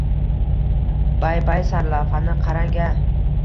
Bay-bay, sarlavhani qarang-a